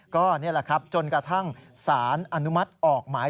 ก็นี่แหละครับจนกระทั่งสารอนุมัติออกหมาย